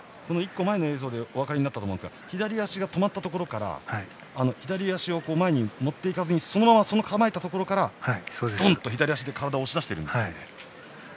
１個前の映像でお分かりになったと思いますが左足が止まったところから左足を前に持っていかずにそのまま構えたところからドンと左足で体を押し出しているんですね。